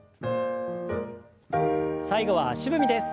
最後は足踏みです。